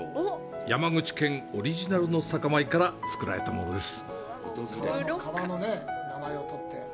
山口県オリジナルの酒米から造られたものです。